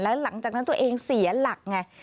แล้วหลังจากนั้นตัวเองเสียหลักไง